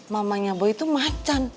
mamanya boy itu macan